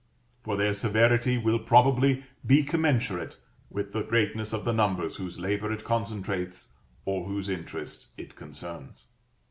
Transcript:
For their severity will probably be commensurate with the greatness of the numbers whose labor it concentrates or whose interest it concerns.